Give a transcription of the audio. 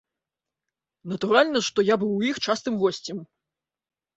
Натуральна, што я быў у іх частым госцем.